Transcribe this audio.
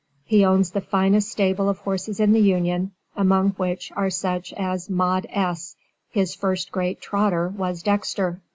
He owns the finest stable of horses in the Union, among which are such as Maud S. his first great trotter was Dexter.